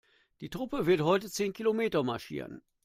Die Truppe wird heute zehn Kilometer marschieren.